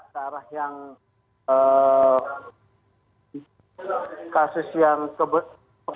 tarah yang kasus yang kebetulan